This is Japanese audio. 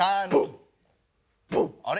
あれ？